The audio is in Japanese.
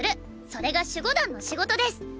それが守護団の仕事です！